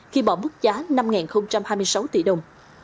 khi bỏ mức giá năm hai mươi sáu tỷ đồng